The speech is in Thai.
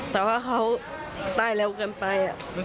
แต่ว่าเขาตายเร็วเกินไป